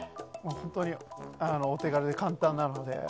本当にお手軽で簡単なので。